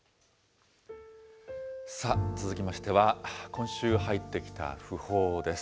続きましては、今週入ってきた訃報です。